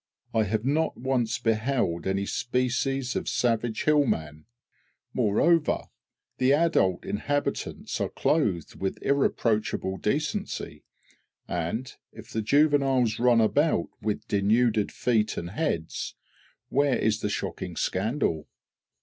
B., I have not once beheld any species of savage hill man; moreover, the adult inhabitants are clothed with irreproachable decency, and, if the juveniles run about with denuded feet and heads, where is the shocking scandal?